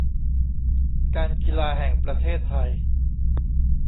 การกีฬาแห่งประเทศไทย